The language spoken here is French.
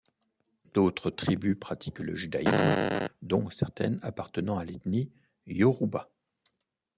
D'autres tribus pratiquent le judaïsme, dont certaines appartenant à l'ethnie Yoruba.